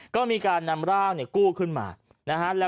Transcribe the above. ก็มีการนำร่างกู้ขึ้นมานะฮะ